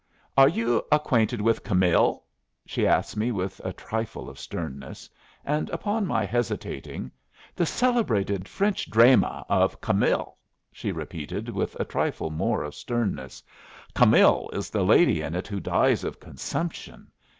"Are you acquainted with 'Camill'?" she asked me, with a trifle of sternness; and upon my hesitating, "the celebrated French drayma of 'Camill'," she repeated, with a trifle more of sternness. "Camill is the lady in it who dies of consumption.